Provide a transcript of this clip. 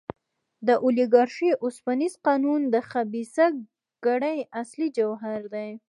د اولیګارشۍ اوسپنیز قانون د خبیثه کړۍ اصلي جوهر دی.